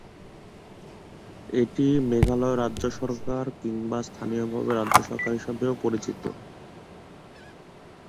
এটি মেঘালয় রাজ্য সরকার কিংবা স্থানীয়ভাবে রাজ্য সরকার হিসাবেও পরিচিত।